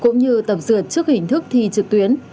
cũng như tập dượt trước hình thức thi trực tuyến